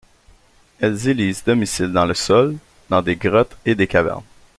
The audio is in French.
Elles élisent domicile dans le sol, dans des grottes et des cavernes.